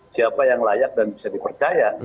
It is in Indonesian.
siapa yang layak dan bisa dipercaya